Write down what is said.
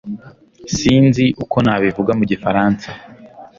sinzi uko nabivuga mu gifaransa